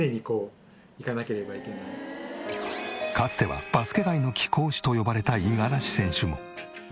かつては「バスケ界の貴公子」と呼ばれた五十嵐選手も。